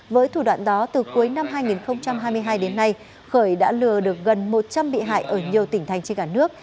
với thủ đoạn đó từ cuối năm hai nghìn hai mươi hai đến nay khởi đã lừa được gần một trăm linh bị hại ở nhiều tỉnh thành trên cả nước